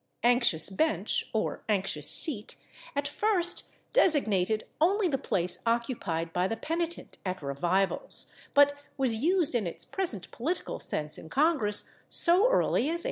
/Anxious bench/ (or /anxious seat/) at first designated only the place occupied by the penitent at revivals, but was used in its present political sense in Congress so early as 1842.